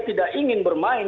tidak ingin bermain